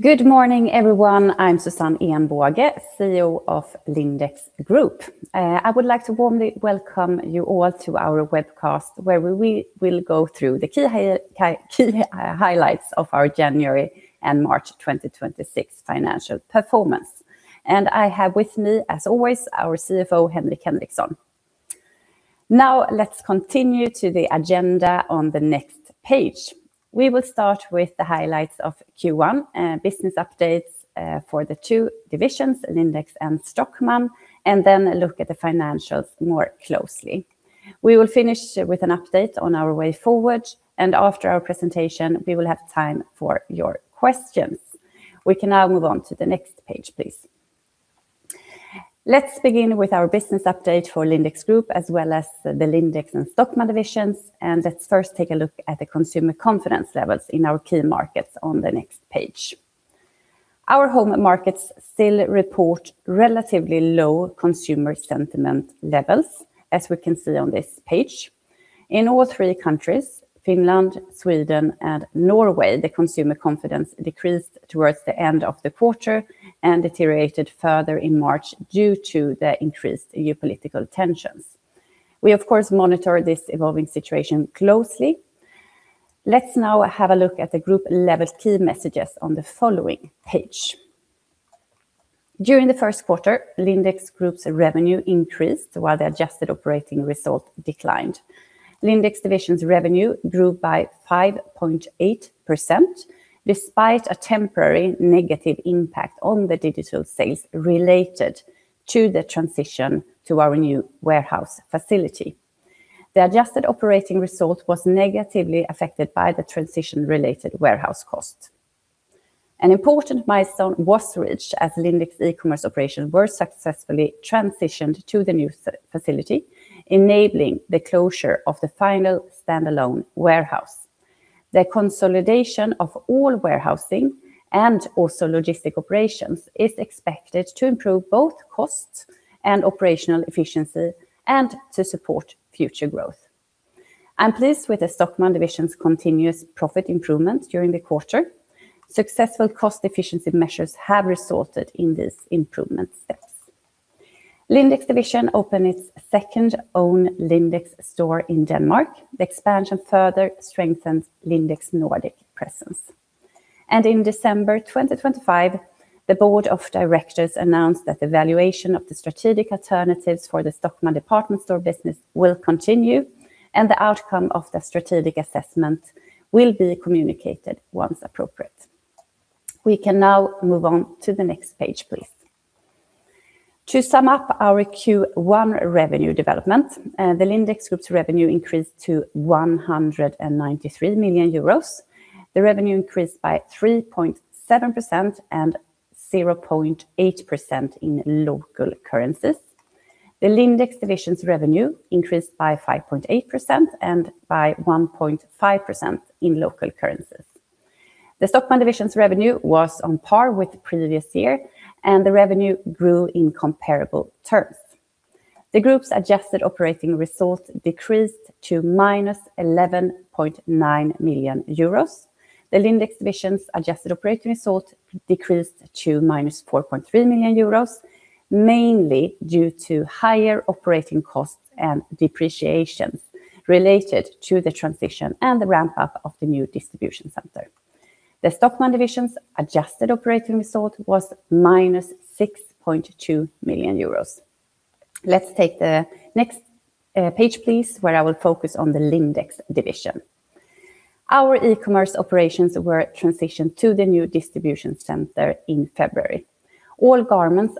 Good morning, everyone. I'm Susanne Ehnbåge, CEO of Lindex Group. I would like to warmly welcome you all to our webcast, where we will go through the key highlights of our January and March 2026 financial performance. I have with me, as always, our CFO, Henrik Henriksson. Now, let's continue to the agenda on the next page. We will start with the highlights of Q1 business updates for the two divisions in Lindex and Stockmann, and then look at the financials more closely. We will finish with an update on our way forward, and after our presentation, we will have time for your questions. We can now move on to the next page, please. Let's begin with our business update for Lindex Group, as well as the Lindex and Stockmann divisions and let's first take a look at the consumer confidence levels in our key markets on the next page. Our home markets still report relatively low consumer sentiment levels, as we can see on this page. In all three countries, Finland, Sweden, and Norway, the consumer confidence decreased towards the end of the quarter and deteriorated further in March due to the increased geopolitical tensions. We of course monitor this evolving situation closely. Let's now have a look at the group level key messages on the following page. During the first quarter, Lindex Group's revenue increased while the adjusted operating result declined. Lindex division's revenue grew by 5.8% despite a temporary negative impact on the digital sales related to the transition to our new warehouse facility. The adjusted operating result was negatively affected by the transition-related warehouse cost. An important milestone was reached as Lindex e-commerce operation were successfully transitioned to the new facility, enabling the closure of the final standalone warehouse. The consolidation of all warehousing and also logistics operations is expected to improve both costs and operational efficiency and to support future growth. I'm pleased with the Stockmann division's continuous profit improvements during the quarter. Successful cost efficiency measures have resulted in these improvement steps. Lindex division opened its second own Lindex store in Denmark. The expansion further strengthens Lindex Nordic presence. In December 2025, the board of directors announced that the valuation of the strategic alternatives for the Stockmann department store business will continue, and the outcome of the strategic assessment will be communicated once appropriate. We can now move on to the next page, please. To sum up our Q1 revenue development, the Lindex Group's revenue increased to 193 million euros. The revenue increased by 3.7% and 0.8% in local currencies. The Lindex division's revenue increased by 5.8% and by 1.5% in local currencies. The Stockmann division's revenue was on par with previous year, and the revenue grew in comparable terms. The group's adjusted operating results decreased to -11.9 million euros. The Lindex division's adjusted operating result decreased to -4.3 million euros, mainly due to higher operating costs and depreciation related to the transition and the ramp-up of the new distribution center. The Stockmann division's adjusted operating result was -6.2 million euros. Let's take the next page, please, where I will focus on the Lindex division. Our e-commerce operations were transitioned to the new distribution center in February. All garments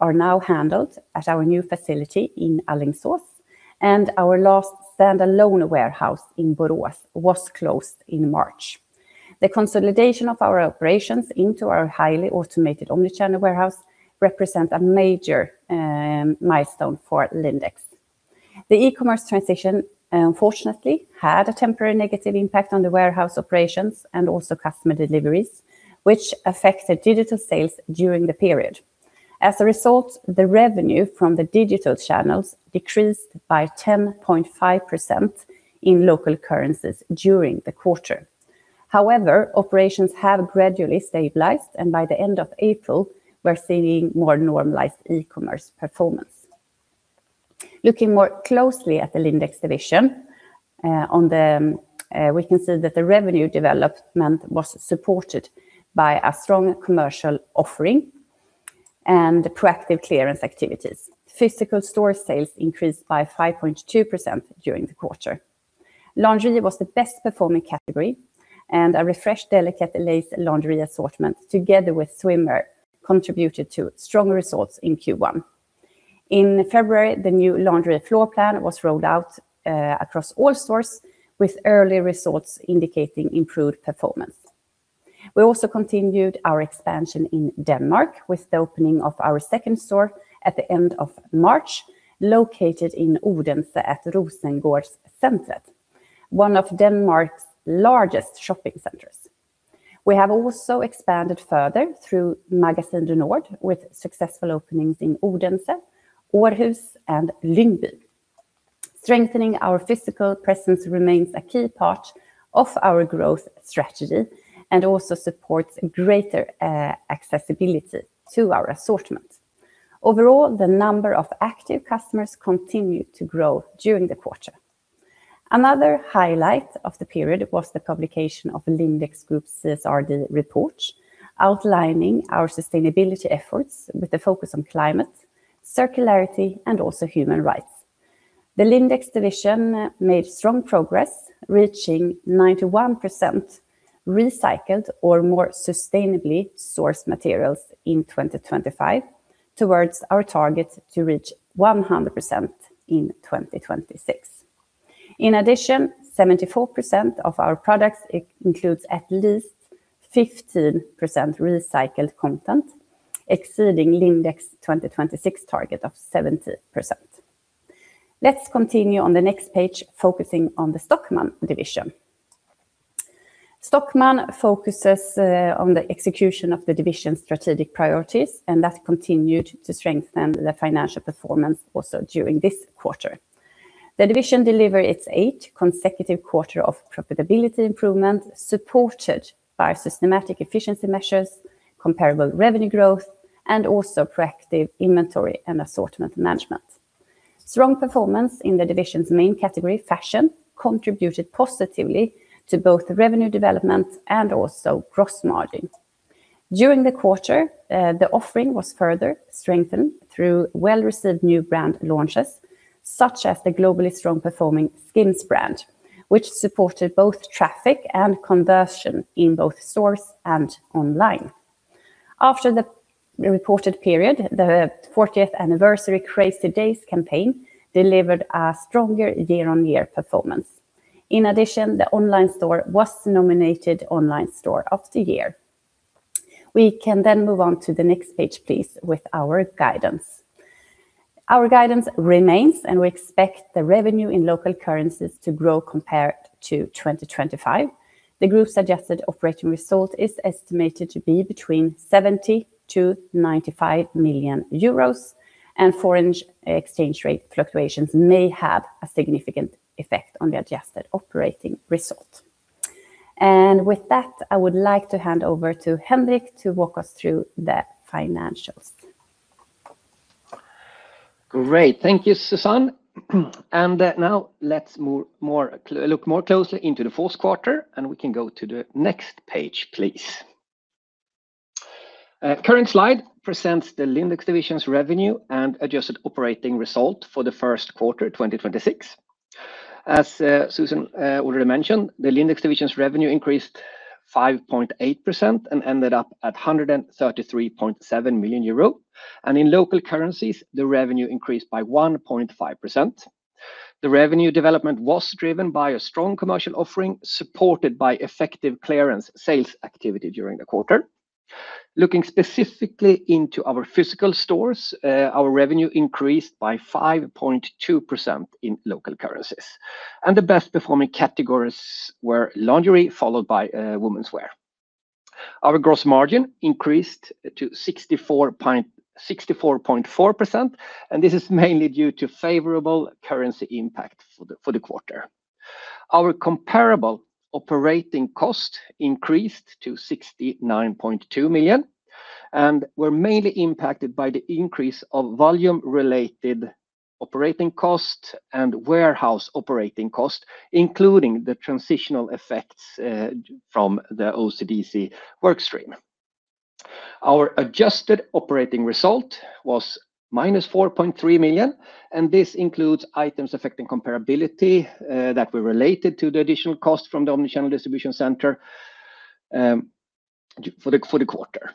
are now handled at our new facility in Alingsås, and our last standalone warehouse in Borås was closed in March. The consolidation of our operations into our highly automated omni-channel warehouse represent a major milestone for Lindex. The e-commerce transition, unfortunately, had a temporary negative impact on the warehouse operations and also customer deliveries, which affected digital sales during the period. As a result, the revenue from the digital channels decreased by 10.5% in local currencies during the quarter. However, operations have gradually stabilized, and by the end of April, we're seeing more normalized e-commerce performance. Looking more closely at the Lindex division, we can see that the revenue development was supported by a strong commercial offering and proactive clearance activities. Physical store sales increased by 5.2% during the quarter. Lingerie was the best performing category, and a refreshed delicate lace lingerie assortment, together with swimwear, contributed to strong results in Q1. In February, the new lingerie floor plan was rolled out across all stores with early results indicating improved performance. We also continued our expansion in Denmark with the opening of our second store at the end of March, located in Odense at Rosengårdcentret, one of Denmark's largest shopping centers. We have also expanded further through Magasin du Nord with successful openings in Odense, Aarhus and Lyngby. Strengthening our physical presence remains a key part of our growth strategy and also supports greater accessibility to our assortment. Overall, the number of active customers continued to grow during the quarter. Another highlight of the period was the publication of Lindex Group's CSRD report outlining our sustainability efforts with a focus on climate, circularity, and also human rights. The Lindex division made strong progress, reaching 91% recycled or more sustainably sourced materials in 2025 towards our target to reach 100% in 2026. In addition, 74% of our products includes at least 15% recycled content, exceeding Lindex 2026 target of 70%. Let's continue on the next page, focusing on the Stockmann division. Stockmann focuses on the execution of the division's strategic priorities, and that continued to strengthen the financial performance also during this quarter. The division delivered its eighth consecutive quarter of profitability improvement, supported by systematic efficiency measures, comparable revenue growth, and also proactive inventory and assortment management. Strong performance in the division's main category, fashion, contributed positively to both revenue development and also gross margin. During the quarter, the offering was further strengthened through well-received new brand launches, such as the globally strong-performing SKIMS brand, which supported both traffic and conversion in both stores and online. After the reported period, the 40th anniversary Crazy Days campaign delivered a stronger year-on-year performance. In addition, the online store was nominated Online Store of the Year. We can then move on to the next page, please, with our guidance. Our guidance remains, and we expect the revenue in local currencies to grow compared to 2025. The group's adjusted operating result is estimated to be between 70 million-95 million euros, and foreign exchange rate fluctuations may have a significant effect on the adjusted operating result. With that, I would like to hand over to Henrik to walk us through the financials. Great. Thank you, Susanne. Now let's look more closely into the fourth quarter, and we can go to the next page, please. Current slide presents the Lindex division's revenue and adjusted operating result for the first quarter, 2026. As Susanne already mentioned, the Lindex division's revenue increased 5.8% and ended up at 133.7 million euro. In local currencies, the revenue increased by 1.5%. The revenue development was driven by a strong commercial offering, supported by effective clearance sales activity during the quarter. Looking specifically into our physical stores, our revenue increased by 5.2% in local currencies, and the best performing categories were lingerie, followed by womenswear. Our gross margin increased to 64.4%, and this is mainly due to favorable currency impact for the quarter. Our comparable operating cost increased to 69.2 million and were mainly impacted by the increase of volume-related operating cost and warehouse operating cost, including the transitional effects from the OCDC work stream. Our adjusted operating result was -4.3 million, and this includes items affecting comparability that were related to the additional cost from the omnichannel distribution center for the quarter.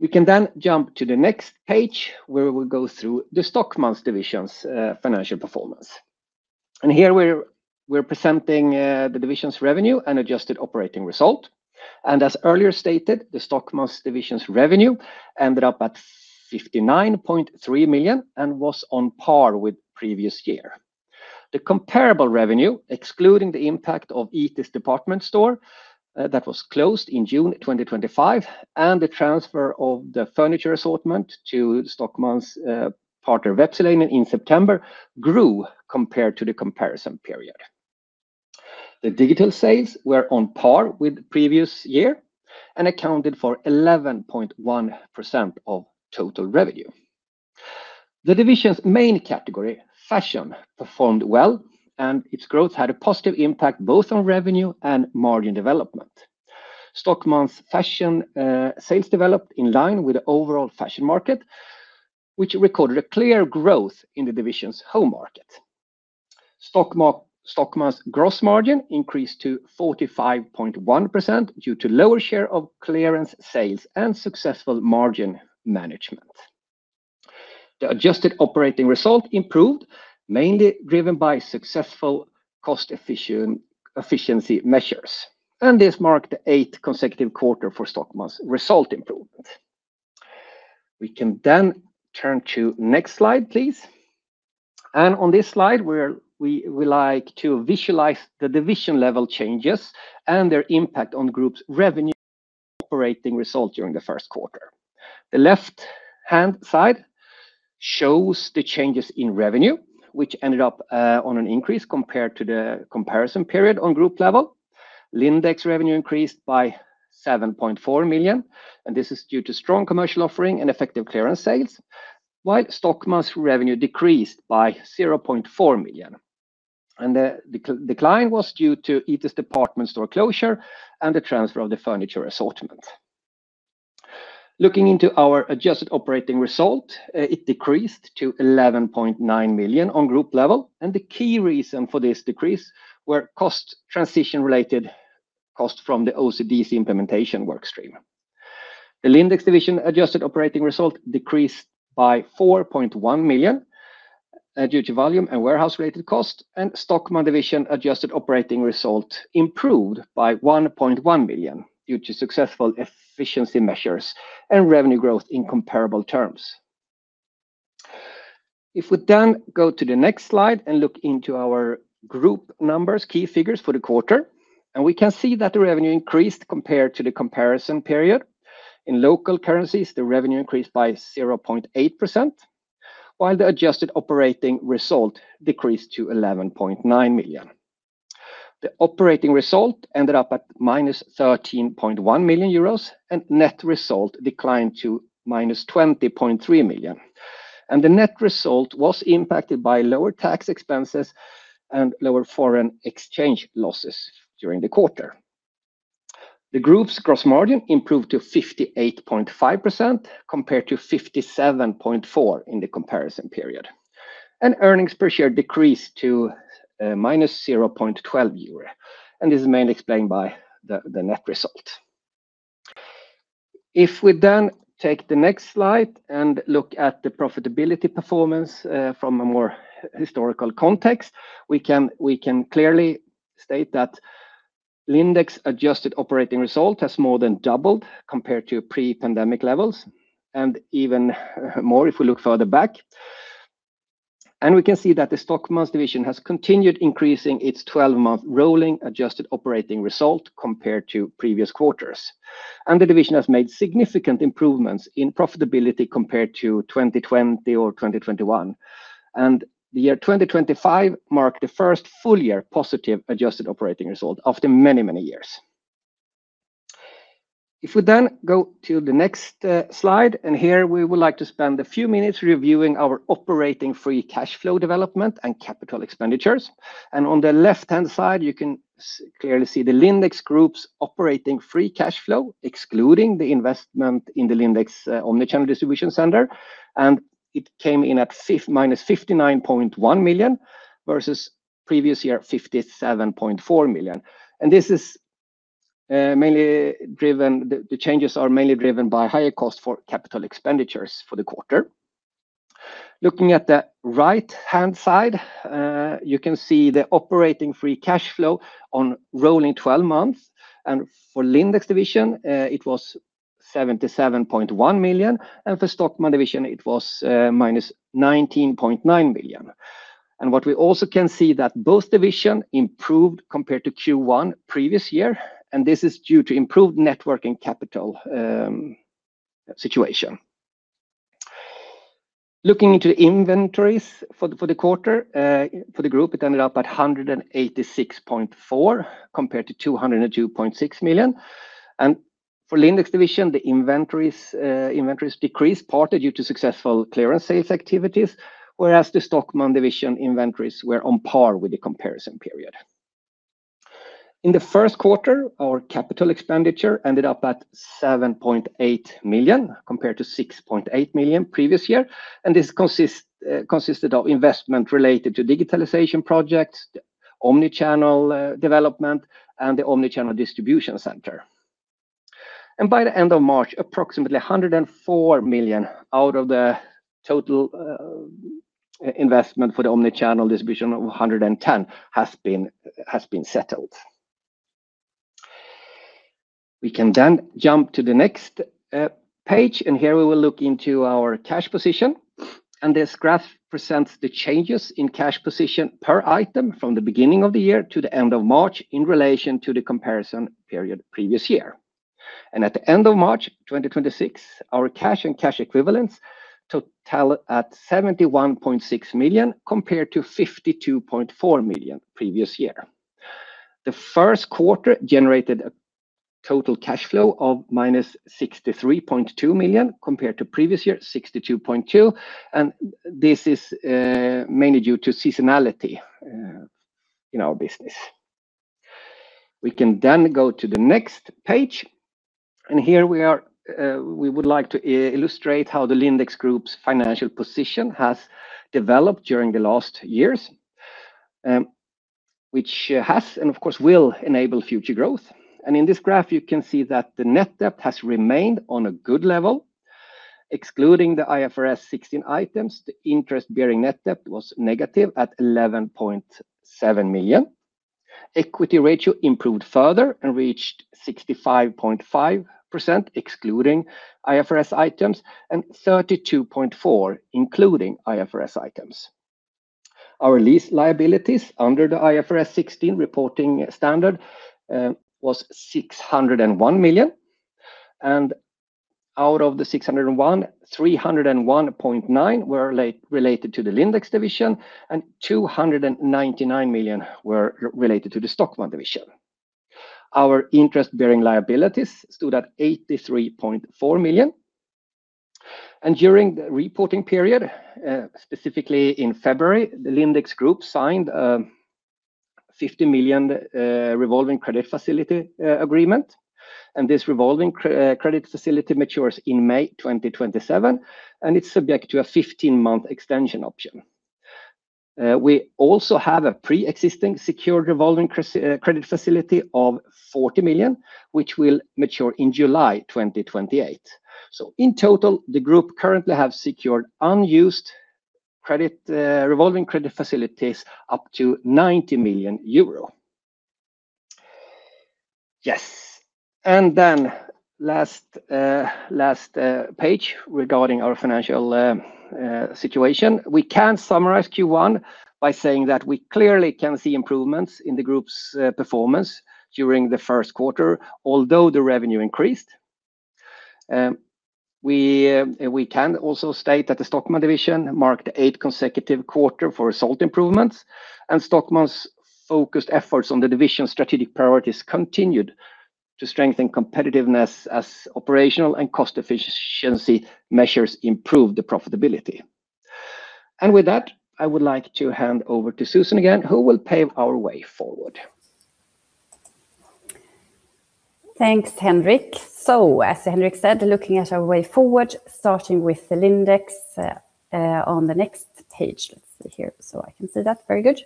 We can then jump to the next page, where we'll go through the Stockmann division's financial performance. Here we're presenting the division's revenue and adjusted operating result. As earlier stated, the Stockmann division's revenue ended up at 59.3 million and was on par with previous year. The comparable revenue, excluding the impact of Itäkeskus department store, that was closed in June 2025, and the transfer of the furniture assortment to Stockmann's partner, Vepsäläinen, in September, grew compared to the comparison period. The digital sales were on par with previous year and accounted for 11.1% of total revenue. The division's main category, fashion, performed well, and its growth had a positive impact both on revenue and margin development. Stockmann's fashion sales developed in line with the overall fashion market, which recorded a clear growth in the division's home market. Stockmann's gross margin increased to 45.1% due to lower share of clearance sales and successful margin management. The adjusted operating result improved, mainly driven by successful cost efficiency measures, and this marked the eighth consecutive quarter for Stockmann's result improvement. We can then turn to next slide, please. On this slide, we like to visualize the division-level changes and their impact on group's revenue, operating result during the first quarter. The left-hand side shows the changes in revenue, which ended up on an increase compared to the comparison period on group level. Lindex revenue increased by 7.4 million, and this is due to strong commercial offering and effective clearance sales, while Stockmann's revenue decreased by 0.4 million. The decline was due to Itis department store closure and the transfer of the furniture assortment. Looking into our adjusted operating result, it decreased to 11.9 million on group level, and the key reason for this decrease were cost transition-related costs from the OCDC implementation work stream. The Lindex division adjusted operating result decreased by 4.1 million due to volume and warehouse-related costs. Stockmann division adjusted operating result improved by 1.1 million due to successful efficiency measures and revenue growth in comparable terms. If we then go to the next slide and look into our group numbers, key figures for the quarter, and we can see that the revenue increased compared to the comparison period. In local currencies, the revenue increased by 0.8%, while the adjusted operating result decreased to 11.9 million. The operating result ended up at -13.1 million euros, and net result declined to EUR- 20.3 million. The net result was impacted by lower tax expenses and lower foreign exchange losses during the quarter. The group's gross margin improved to 58.5% compared to 57.4% in the comparison period. Earnings per share decreased to -0.12 euro, and this is mainly explained by the net result. If we then take the next slide and look at the profitability performance from a more historical context, we can clearly state that Lindex adjusted operating result has more than doubled compared to pre-pandemic levels, and even more if we look further back. We can see that the Stockmann Division has continued increasing its 12-month rolling adjusted operating result compared to previous quarters. The division has made significant improvements in profitability compared to 2020 or 2021. The year 2025 marked the first full-year positive adjusted operating result after many, many years. If we then go to the next slide, here we would like to spend a few minutes reviewing our operating free cash flow development and capital expenditures. On the left-hand side, you can clearly see the Lindex Group's operating free cash flow, excluding the investment in the Lindex omnichannel distribution center. It came in at -59.1 million, versus previous year, 57.4 million. This is mainly driven by higher cost for capital expenditures for the quarter. Looking at the right-hand side, you can see the operating free cash flow on rolling twelve months. For Lindex division, it was 77.1 million, and for Stockmann division, it was -19.9 million. What we also can see that both divisions improved compared to Q1 previous year, and this is due to improved net working capital situation. Looking into inventories for the quarter for the group, it ended up at 186.4 million compared to 202.6 million. For Lindex division, the inventories decreased partly due to successful clearance sales activities, whereas the Stockmann Division inventories were on par with the comparison period. In the first quarter, our capital expenditure ended up at 7.8 million, compared to 6.8 million previous year, and this consisted of investment related to digitalization projects, omnichannel development, and the omnichannel distribution center. By the end of March, approximately 104 million out of the total investment for the omnichannel distribution of 110 has been settled. We can then jump to the next page, and here we will look into our cash position. This graph presents the changes in cash position per item from the beginning of the year to the end of March in relation to the comparison period previous year. At the end of March 2024, our cash and cash equivalents total 71.6 million, compared to 52.4 million previous year. The first quarter generated a total cash flow of -63.2 million, compared to previous year 62.2 million, and this is mainly due to seasonality in our business. We can then go to the next page, and here we are. We would like to illustrate how the Lindex Group's financial position has developed during the last years, which has and of course will enable future growth. In this graph you can see that the net debt has remained on a good level. Excluding the IFRS 16 items, the interest-bearing net debt was negative at 11.7 million. Equity ratio improved further and reached 65.5% excluding IFRS items and 32.4% including IFRS items. Our lease liabilities under the IFRS 16 reporting standard was 601 million. Out of the 601 million, 301.9 million were related to the Lindex division, and 299 million were related to the Stockmann division. Our interest-bearing liabilities stood at 83.4 million. During the reporting period, specifically in February, the Lindex Group signed a 50 million revolving credit facility agreement, and this revolving credit facility matures in May 2027, and it's subject to a 15-month extension option. We also have a preexisting secured revolving credit facility of 40 million, which will mature in July 2028. In total, the Group currently have secured unused credit revolving credit facilities up to 90 million euro. Yes. Then last page regarding our financial situation. We can summarize Q1 by saying that we clearly can see improvements in the Group's performance during the first quarter, although the revenue increased. We can also state that the Stockmann division marked eight consecutive quarters of result improvements and Stockmann's focused efforts on the division strategic priorities continued to strengthen competitiveness as operational and cost efficiency measures improve the profitability. With that, I would like to hand over to Susanne again, who will pave our way forward. Thanks, Henrik. As Henrik said, looking at our way forward, starting with Lindex on the next page here, so I can see that very good.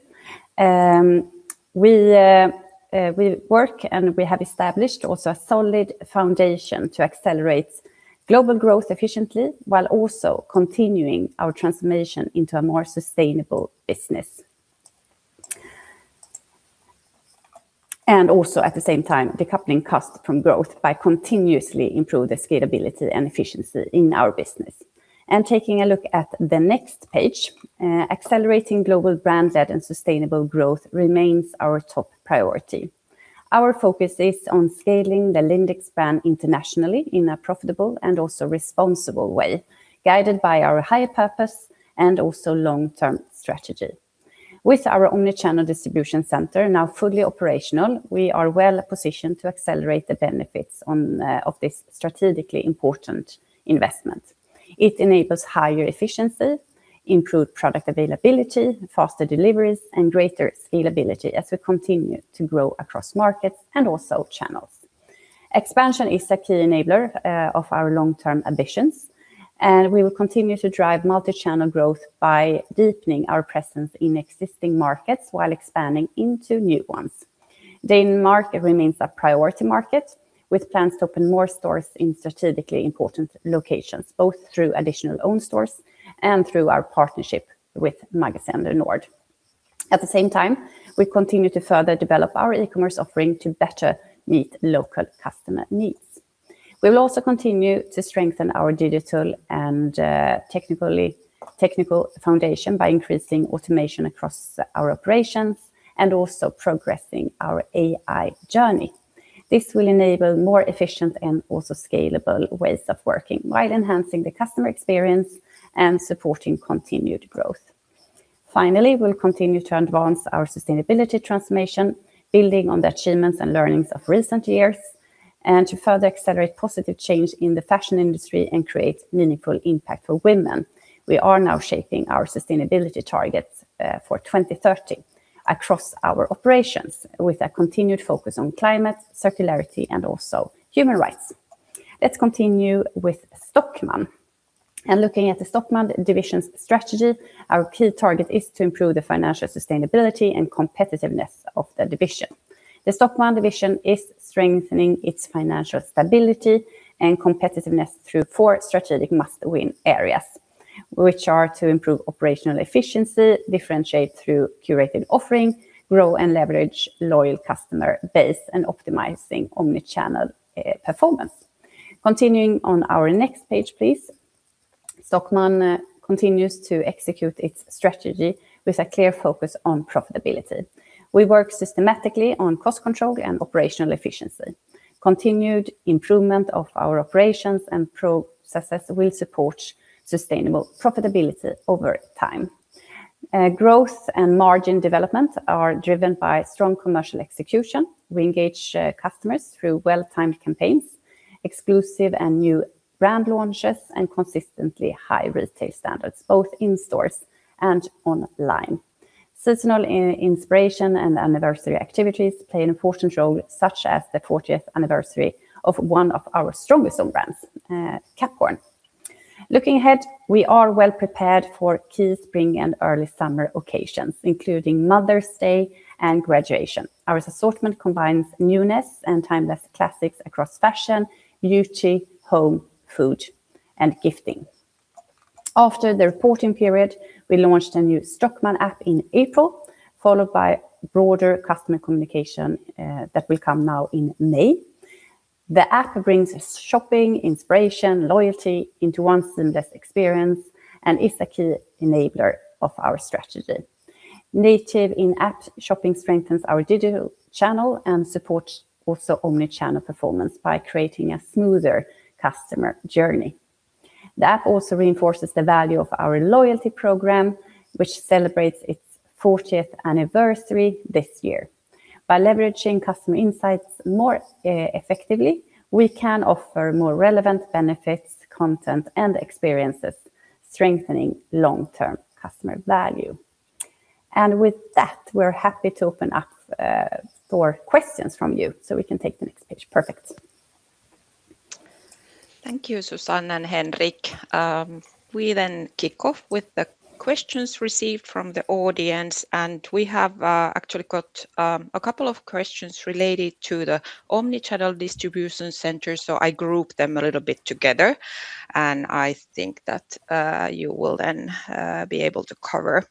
We work and we have established also a solid foundation to accelerate global growth efficiently while also continuing our transformation into a more sustainable business. At the same time, decoupling costs from growth by continuously improve the scalability and efficiency in our business. Taking a look at the next page, accelerating global brands and sustainable growth remains our top priority. Our focus is on scaling the Lindex brand internationally in a profitable and also responsible way, guided by our higher purpose and also long-term strategy. With our omnichannel distribution center now fully operational, we are well positioned to accelerate the benefits of this strategically important investment. It enables higher efficiency, improved product availability, faster deliveries, and greater scalability as we continue to grow across markets and also channels. Expansion is a key enabler of our long-term ambitions, and we will continue to drive multi-channel growth by deepening our presence in existing markets while expanding into new ones. The market remains a priority market, with plans to open more stores in strategically important locations, both through additional own stores and through our partnership with Magasin du Nord. At the same time, we continue to further develop our e-commerce offering to better meet local customer needs. We will also continue to strengthen our digital and technical foundation by increasing automation across our operations and also progressing our AI journey. This will enable more efficient and also scalable ways of working while enhancing the customer experience and supporting continued growth. Finally, we'll continue to advance our sustainability transformation, building on the achievements and learnings of recent years, and to further accelerate positive change in the fashion industry and create meaningful impact for women. We are now shaping our sustainability targets for 2030 across our operations with a continued focus on climate, circularity, and also human rights. Let's continue with Stockmann. Looking at the Stockmann division's strategy, our key target is to improve the financial sustainability and competitiveness of the division. The Stockmann division is strengthening its financial stability and competitiveness through four strategic must-win areas, which are to improve operational efficiency, differentiate through curated offering, grow and leverage loyal customer base, and optimizing omni-channel performance. Continuing on our next page, please. Stockmann continues to execute its strategy with a clear focus on profitability. We work systematically on cost control and operational efficiency. Continued improvement of our operations and processes will support sustainable profitability over time. Growth and margin development are driven by strong commercial execution. We engage customers through well-timed campaigns, exclusive and new brand launches, and consistently high retail standards, both in stores and online. Seasonal inspiration and anniversary activities play an important role, such as the fortieth anniversary of one of our strongest own brands, Cap Horn. Looking ahead, we are well prepared for key spring and early summer occasions, including Mother's Day and graduation. Our assortment combines newness and timeless classics across fashion, beauty, home, food, and gifting. After the reporting period, we launched a new Stockmann app in April, followed by broader customer communication that will come now in May. The app brings shopping inspiration, loyalty into one seamless experience and is a key enabler of our strategy. Native in-app shopping strengthens our digital channel and supports also omni-channel performance by creating a smoother customer journey. The app also reinforces the value of our loyalty program, which celebrates its fortieth anniversary this year. By leveraging customer insights more effectively, we can offer more relevant benefits, content and experiences strengthening long-term customer value. With that, we're happy to open up for questions from you, so we can take the next page. Perfect. Thank you, Susanne and Henrik. We then kick off with the questions received from the audience, and we have actually got a couple of questions related to the omnichannel distribution center. I group them a little bit together, and I think that you will then be able to cover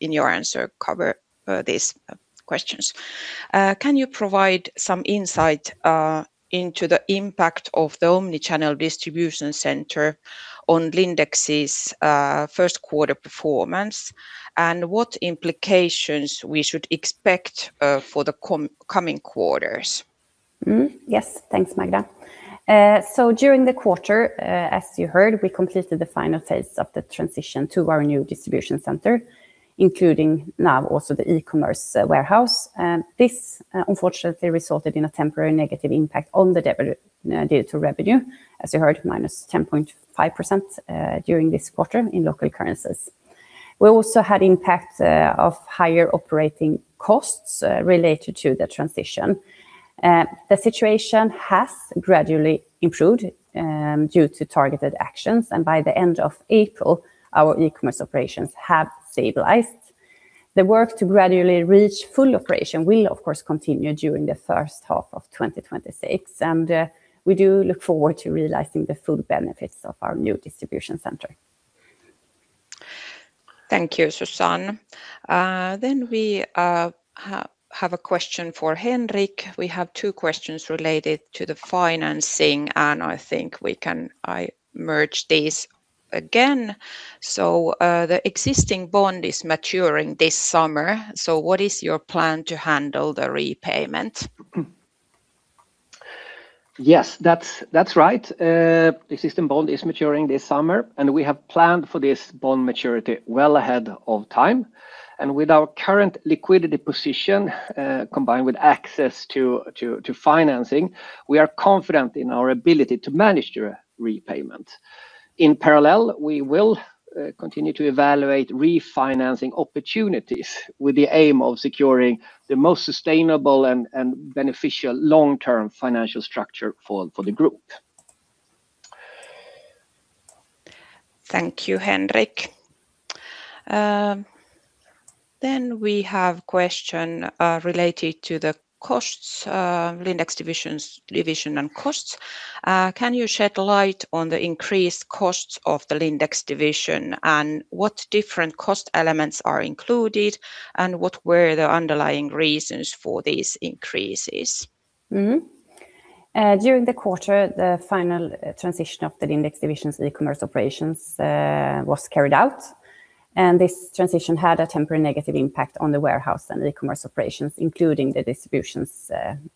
in your answer these questions. Can you provide some insight into the impact of the omnichannel distribution center on Lindex's first quarter performance and what implications we should expect for the coming quarters? Yes. Thanks, Marja. During the quarter, as you heard, we completed the final phase of the transition to our new distribution center, including now also the e-commerce warehouse. This unfortunately resulted in a temporary negative impact on the digital revenue, as you heard, minus 10.5%, during this quarter in local currencies. We also had impact of higher operating costs related to the transition. The situation has gradually improved due to targeted actions, and by the end of April, our e-commerce operations have stabilized. The work to gradually reach full operation will of course continue during the first half of 2026, and we do look forward to realizing the full benefits of our new distribution center. Thank you, Susanne. We have a question for Henrik. We have two questions related to the financing, and I think we can merge these again. The existing bond is maturing this summer, so what is your plan to handle the repayment? Yes, that's right. The existing bond is maturing this summer, and we have planned for this bond maturity well ahead of time. With our current liquidity position, combined with access to financing, we are confident in our ability to manage the repayment. In parallel, we will continue to evaluate refinancing opportunities with the aim of securing the most sustainable and beneficial long-term financial structure for the group. Thank you, Henrik. We have a question related to the costs, Lindex division and costs. Can you shed light on the increased costs of the Lindex division, and what different cost elements are included, and what were the underlying reasons for these increases? During the quarter, the final transition of the Lindex division's e-commerce operations was carried out, and this transition had a temporary negative impact on the warehouse and e-commerce operations, including the distribution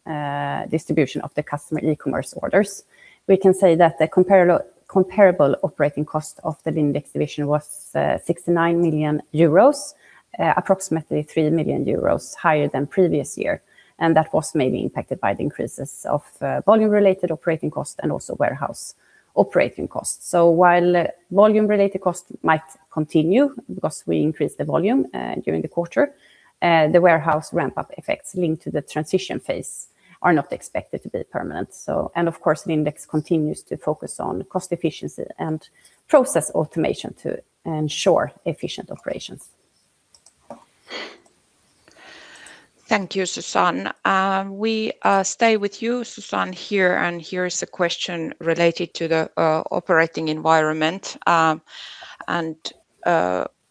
of the customer e-commerce orders. We can say that the comparable operating cost of the Lindex division was 69 million euros, approximately 3 million euros higher than previous year, and that was mainly impacted by the increases of volume-related operating costs and also warehouse operating costs. While volume-related costs might continue because we increased the volume during the quarter, the warehouse ramp-up effects linked to the transition phase are not expected to be permanent. Of course, Lindex continues to focus on cost efficiency and process automation to ensure efficient operations. Thank you, Susanne. We stay with you, Susanne, here, and here is a question related to the operating environment.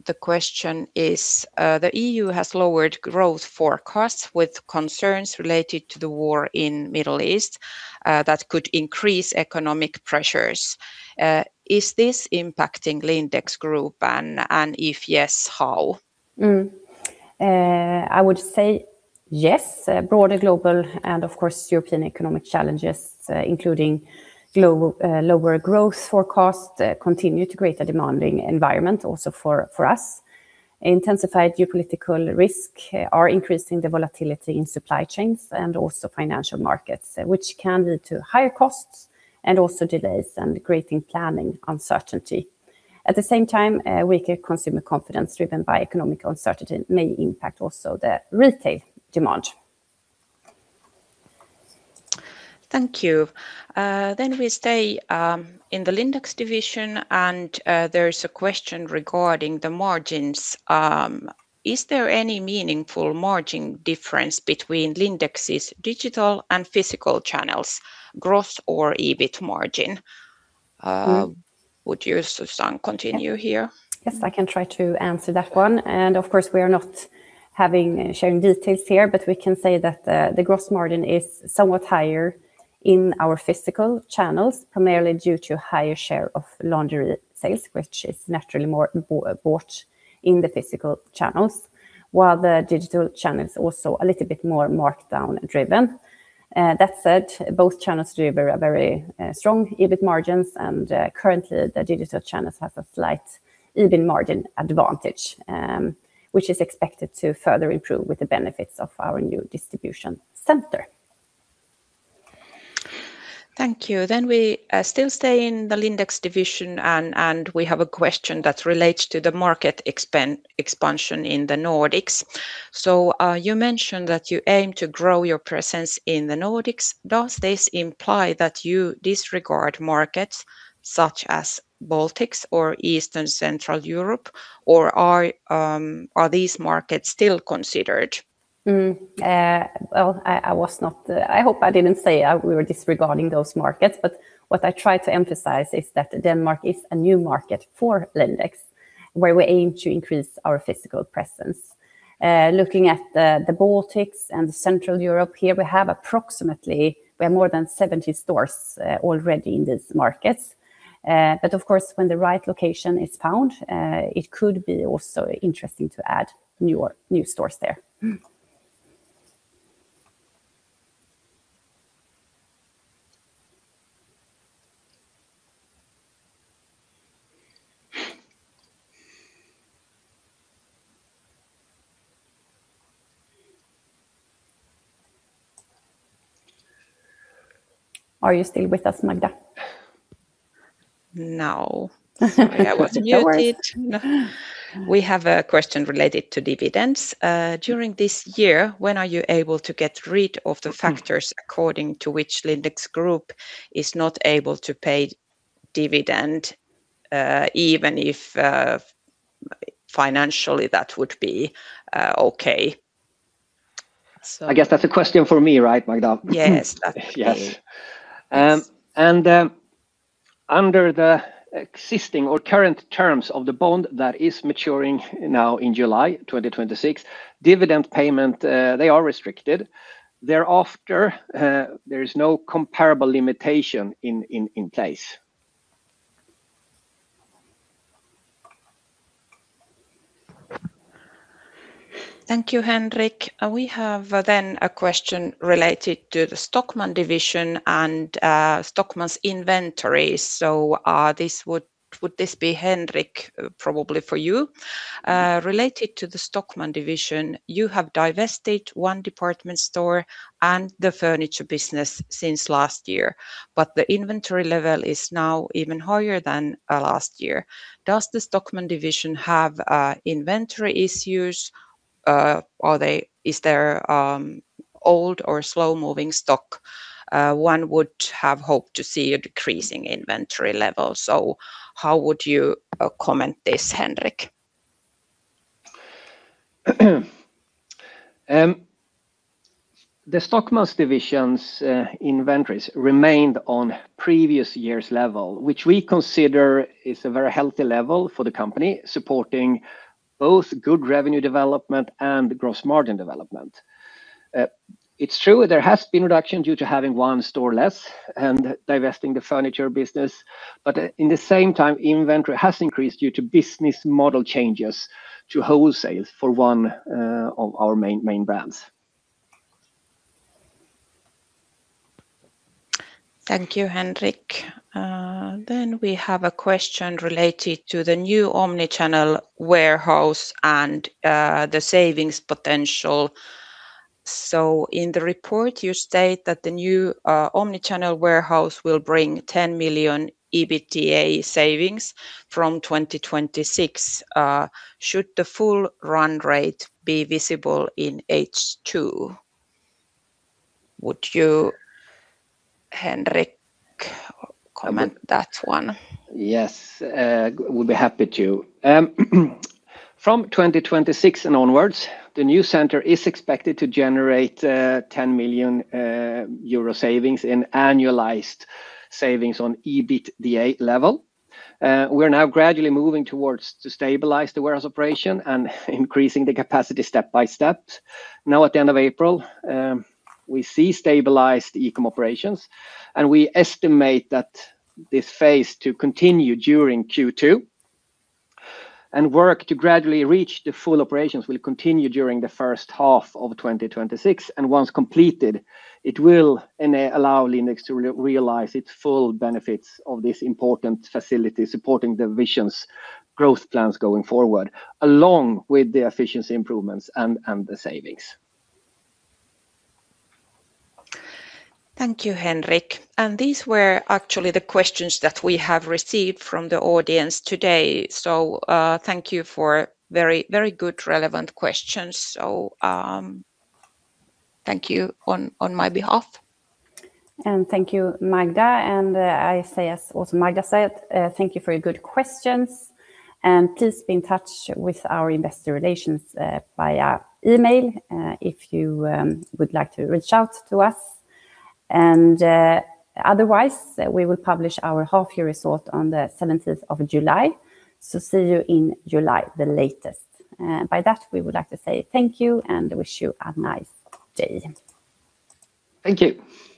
The question is, the EU has lowered growth forecasts with concerns related to the war in Middle East that could increase economic pressures. Is this impacting Lindex Group and if yes, how? I would say yes. Broader global and of course European economic challenges, including lower growth forecasts, continue to create a demanding environment also for us. Intensified geopolitical risk are increasing the volatility in supply chains and also financial markets, which can lead to higher costs and also delays and creating planning uncertainty. At the same time, weaker consumer confidence driven by economic uncertainty may impact also the retail demand. We stay in the Lindex division, and there is a question regarding the margins. Is there any meaningful margin difference between Lindex's digital and physical channels, growth or EBIT margin? Would you, Susanne, continue here? Yes, I can try to answer that one. Of course, we are not sharing details here, but we can say that the gross margin is somewhat higher in our physical channels, primarily due to higher share of lingerie sales, which is naturally more bought in the physical channels, while the digital channel is also a little bit more markdown driven. That said, both channels do very strong EBIT margins and currently the digital channels have a slight EBIT margin advantage, which is expected to further improve with the benefits of our new distribution center. Thank you. We still stay in the Lindex division and we have a question that relates to the market expansion in the Nordics. You mentioned that you aim to grow your presence in the Nordics. Does this imply that you disregard markets such as Baltics or Eastern Central Europe, or are these markets still considered? Well, I hope I didn't say we were disregarding those markets, but what I tried to emphasize is that Denmark is a new market for Lindex, where we aim to increase our physical presence. Looking at the Baltics and Central Europe, here we have more than 70 stores already in these markets. But of course, when the right location is found, it could be also interesting to add new stores there. Are you still with us, Marja-Leena Dahlskog? Now. Sorry, I was muted. No worries. We have a question related to dividends. During this year, when are you able to get rid of the factors according to which Lindex Group is not able to pay dividend, even if, financially that would be, okay? I guess that's a question for me, right, Marja? Yes, that would be. Yes. Under the existing or current terms of the bond that is maturing now in July 2026, dividend payment, they are restricted. Thereafter, there is no comparable limitation in place. Thank you, Henrik. We have then a question related to the Stockmann division and Stockmann's inventory. This would be for you, Henrik, probably. Related to the Stockmann division, you have divested one department store and the furniture business since last year, but the inventory level is now even higher than last year. Does the Stockmann division have inventory issues? Is there old or slow-moving stock? One would have hoped to see a decreasing inventory level. How would you comment this, Henrik? The Stockmann division's inventories remained on previous year's level, which we consider is a very healthy level for the company, supporting both good revenue development and gross margin development. It's true there has been reduction due to having one store less and divesting the furniture business, but in the same time, inventory has increased due to business model changes to wholesale for one of our main brands. Thank you, Henrik. We have a question related to the new omni-channel warehouse and the savings potential. In the report, you state that the new omni-channel warehouse will bring 10 million EBITDA savings from 2026. Should the full run rate be visible in H2? Would you, Henrik, comment that one? Yes, would be happy to. From 2026 and onwards, the new center is expected to generate 10 million euro in annualized savings on EBITDA level. We're now gradually moving towards to stabilize the warehouse operation and increasing the capacity step by step. Now, at the end of April, we see stabilized e-com operations, and we estimate that this phase to continue during Q2 and work to gradually reach the full operations will continue during the first half of 2026. Once completed, it will allow Lindex to realize its full benefits of this important facility supporting the vision's growth plans going forward, along with the efficiency improvements and the savings. Thank you, Henrik. These were actually the questions that we have received from the audience today. Thank you for very, very good relevant questions. Thank you on my behalf. Thank you, Marja. I say as also Marja said, thank you for your good questions. Please be in touch with our Investor Relations via email if you would like to reach out to us. Otherwise, we will publish our half year result on the seventh of July. See you in July the latest. By that, we would like to say thank you and wish you a nice day. Thank you. Thank you.